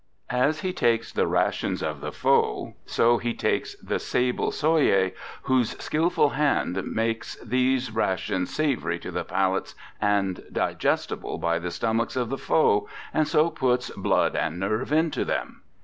As he takes the rations of the foe, so he takes the sable Soyer whose skilful hand makes those rations savory to the palates and digestible by the stomachs of the foe and so puts blood and nerve into them.